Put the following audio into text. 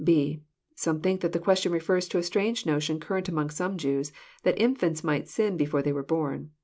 (b) Some think that the question refers to a strange notion current among some Jews, that infants might sin before they were born.